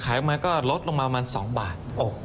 ออกมาก็ลดลงมาประมาณ๒บาท